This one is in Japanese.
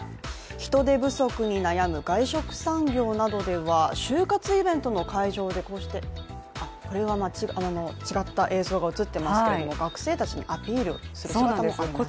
人手不足に悩む外食産業などでは就活イベントの会場でこれは違った映像が映ってますけれども学生たちにアピールすることもありました。